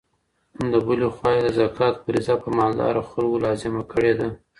له بلې خوا یې د زکات فریضه په مالداره خلګو لازمه کړي ده.